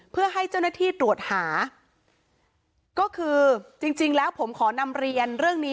เพื่อให้เจ้าหน้าที่ตรวจหาก็คือจริงจริงแล้วผมขอนำเรียนเรื่องนี้